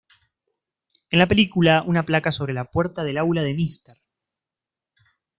En la película, una placa sobre la puerta del aula de Mr.